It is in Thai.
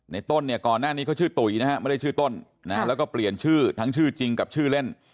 ต้นเนี่ยก่อนหน้านี้เขาชื่อตุ๋ยนะฮะไม่ได้ชื่อต้นนะฮะแล้วก็เปลี่ยนชื่อทั้งชื่อจริงกับชื่อเล่น